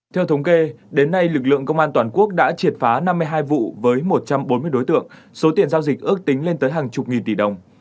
theo thống kê đến nay lực lượng công an toàn quốc đã triệt phá năm mươi hai vụ với một trăm bốn mươi đối tượng số tiền giao dịch ước tính lên tới hàng chục nghìn tỷ đồng